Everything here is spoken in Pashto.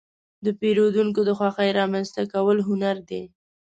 د پیرودونکو د خوښې رامنځته کول هنر دی.